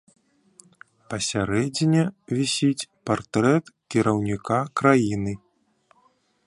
Пасярэдзіне вісіць партрэт кіраўніка краіны.